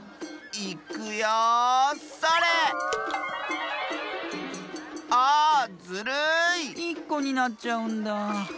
いっこになっちゃうんだ。